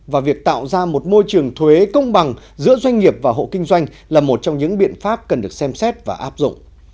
và việc tạo ra một môi trường thuế công bằng giữa doanh nghiệp và hộ kinh doanh là một trong những biện pháp cần được xem xét và áp dụng